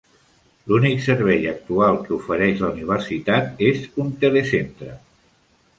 L'únic servei actual que ofereix la universitat és un telecentre.